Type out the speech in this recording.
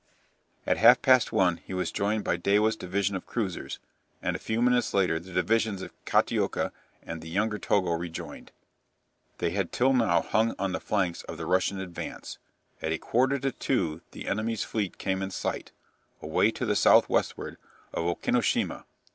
At half past one he was joined by Dewa's division of cruisers, and a few minutes later the divisions of Kataoka and the younger Togo rejoined. They had till now hung on the flanks of the Russian advance. At a quarter to two the enemy's fleet came in sight away to the south westward of Okinoshima.